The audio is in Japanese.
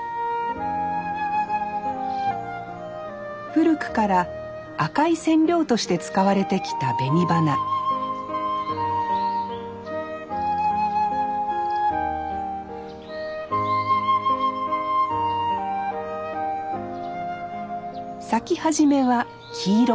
古くから赤い染料として使われてきた紅花咲き始めは黄色。